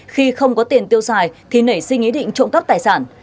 khi không có tiền tiêu xài thì nảy sinh ý định trộm cắp tài sản